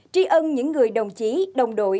tri ân những người đồng chí đồng đội